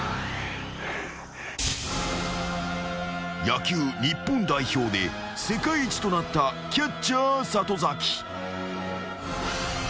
［野球日本代表で世界一となったキャッチャー里崎］